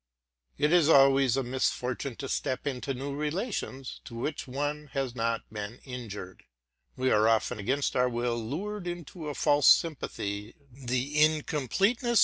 It is always a misfortune to step into new relations to which one has not been inured: we are often against our will lured into a false sympathy, the incompleteness?